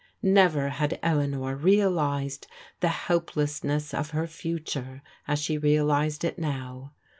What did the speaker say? Never had Eleanor realized the helplessness of her future as she realized it now.